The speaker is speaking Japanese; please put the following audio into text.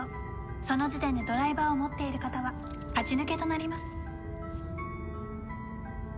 その時点でドライバーを持っている方は勝ち抜けとなります。